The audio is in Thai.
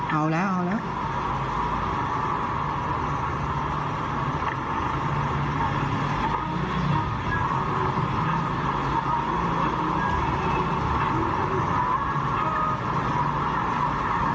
เอาแล้วเอาแล้ว